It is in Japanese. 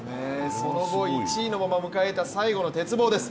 その後１位のまま迎えた最後の鉄棒です。